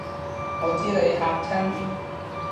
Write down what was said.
我知你嚇親